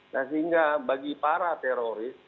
nah sehingga bagi para teroris